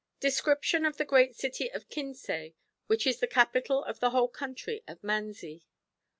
Description of the Great City of Kinsay, which is the Capital of the whole Country of Manzi.